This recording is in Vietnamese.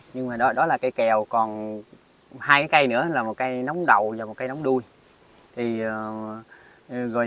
nhưng mà đó là cây kèo còn hai cái cây nữa là một cây nóng đầu và một cây nóng đuôi